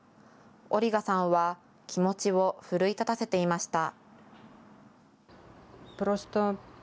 オリガさんは気持ちを奮い立たせていました。